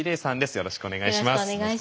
よろしくお願いします。